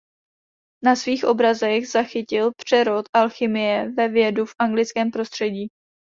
Na svých obrazech zachytil přerod alchymie ve vědu v anglickém prostředí.